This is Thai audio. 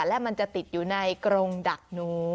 และมันจะติดอยู่ในกรงดักหนู